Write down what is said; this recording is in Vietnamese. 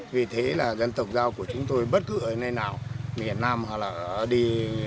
vì thế là dân tộc giao của chúng tôi bất cứ ở nơi nào miền nam hoặc là đi